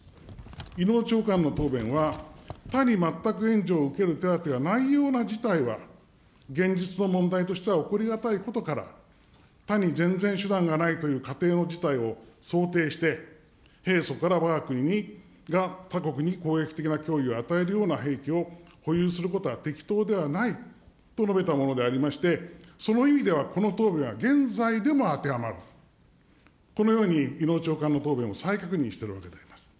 伊能長官の答弁は、他に全く援助を受ける手だてがないような事態は、現実の問題としては起こりがたいことから、他に全然手段がないという仮定の事態を想定して、平素からわが国が他国に攻撃的な脅威を与えるような兵器を保有することは適当ではないと述べたものでありまして、その意味では、この答弁は現在でも当てはまると、このように伊能長官の答弁を再確認しているわけであります。